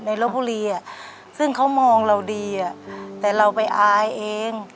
รบบุรีซึ่งเขามองเราดีแต่เราไปอายเอง